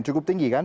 cukup tinggi kan